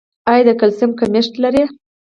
ایا د کلسیم کمښت لرئ؟